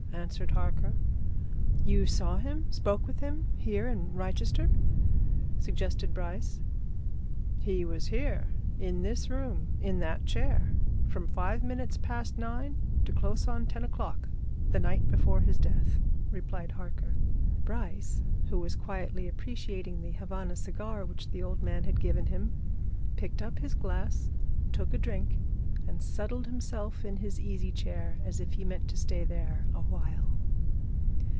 answered Harker. "You saw him spoke with him here in Wrychester?" suggested Bryce. "He was here in this room in that chair from five minutes past nine to close on ten o'clock the night before his death," replied Harker. Bryce, who was quietly appreciating the Havana cigar which the old man had given him, picked up his glass, took a drink, and settled himself in his easy chair as if he meant to stay there awhile.